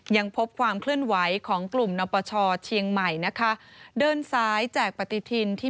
ยังพบความเคลื่อนไหวของกลุ่มนปชเชียงใหม่นะคะเดินซ้ายแจกปฏิทินที่